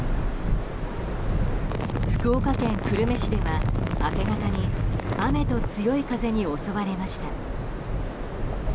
福岡県久留米市では明け方に雨と強い風に襲われました。